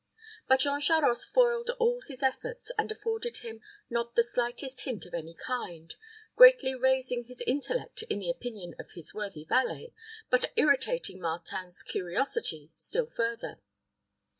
But Jean Charost foiled all his efforts, and afforded him not the slightest hint of any kind, greatly raising his intellect in the opinion of his worthy valet, but irritating Martin's curiosity still further.